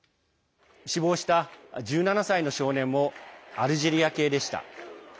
死亡した１７歳の少年もアルジェリア系でした。